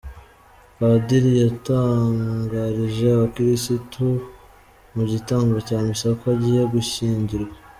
Padiri yatangarije abakirisitu mu gitambo cya misa ko agiye gushyingirwa